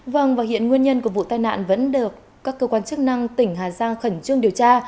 vâng và hiện nguyên nhân của vụ tai nạn vẫn được các cơ quan chức năng tỉnh hà giang khẩn trương điều tra